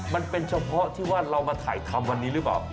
มันเป็นเฉพาะที่ว่าเรามาถ่ายทำวันนี้หรือเปล่า